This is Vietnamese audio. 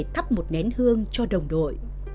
thắp một nén hương cho đồng đội